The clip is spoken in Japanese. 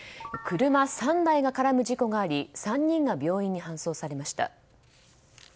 車３台が絡む事故があり３人が病院に搬送されました。